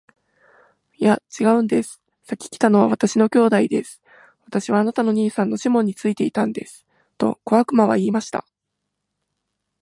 「いや、ちがうんです。先来たのは私の兄弟です。私はあなたの兄さんのシモンについていたんです。」と小悪魔は言いました。